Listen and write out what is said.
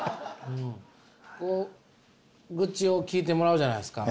こう愚痴を聞いてもらうじゃないですか。